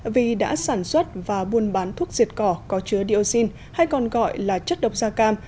vì đã sản xuất và buôn bán thuốc diệt cỏ có chứa dioxin hay còn gọi là chất độc da cam